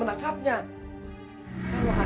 mereka hanya merisau yang gagal